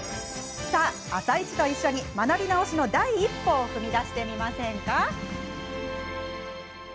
さあ「あさイチ」と一緒に学び直しの第一歩を踏み出してみませんか。